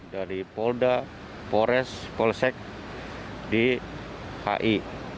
dari polda polres polsek di ai